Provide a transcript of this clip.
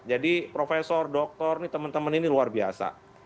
jadi profesor doktor teman teman ini luar biasa